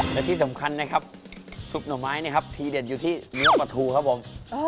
และที่สำคัญนะครับซุปหน่อไม้เนี่ยครับทีเด็ดอยู่ที่เนื้อปลาทูครับผม